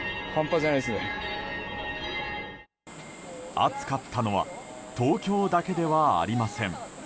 暑かったのは東京だけではありません。